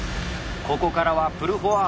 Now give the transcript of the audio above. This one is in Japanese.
ここからは「プルフォワード」。